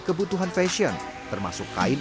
kebutuhan fashion termasuk kain